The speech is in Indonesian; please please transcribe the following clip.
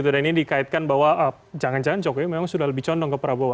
dan ini dikaitkan bahwa jangan jangan jokowi memang sudah lebih condong ke prabowo